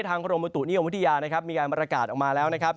ทางโครมตุนิยมพุทธิยานะครับมีการประกาศออกมาแล้วนะครับ